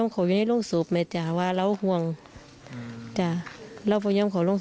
ก็บอกว่าเขาห่วงล้าน